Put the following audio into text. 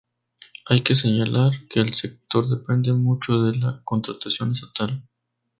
Hay que señalar que el sector depende mucho de la contratación estatal.